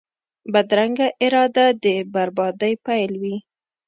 بدرنګه اراده د بربادۍ پیل وي